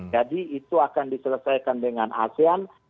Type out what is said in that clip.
jadi itu akan diselesaikan dengan asean